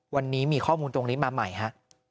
วันนี้มีข้อมูลตรงนี้มาใหม่ฮะ